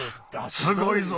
すごいぞ！